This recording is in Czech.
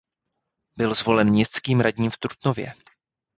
Byl zvolen městským radním v Trutnově.